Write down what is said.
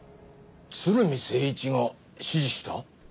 鶴見征一が指示した？